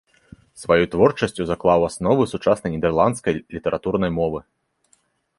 Сваёй творчасцю заклаў асновы сучаснай нідэрландскай літаратурнай мовы.